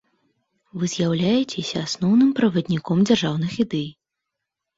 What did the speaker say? Вы з'яўляецеся асноўным правадніком дзяржаўных ідэй.